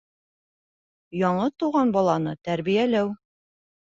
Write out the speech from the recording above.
Яңы тыуған баланы тәрбиәләү